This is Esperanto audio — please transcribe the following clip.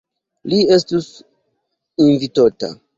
Li estus invitota.